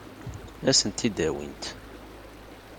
Ad sent-t-id-awint?